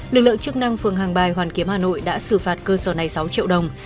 lực lượng chức năng phường hàng bài hoàn kiếm hà nội đã xử phạt cơ sở này sáu triệu đồng